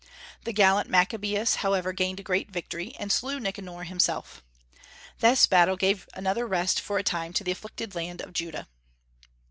The gallant Maccabaeus, however, gained a great victory, and slew Nicanor himself. This battle gave another rest for a time to the afflicted land of Judah.